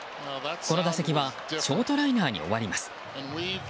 この打席はショートライナーに終わります。